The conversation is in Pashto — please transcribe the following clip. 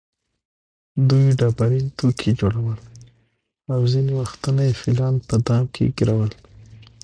دوی ډبرین توکي جوړول او ځینې وختونه یې فیلان په دام کې ګېرول.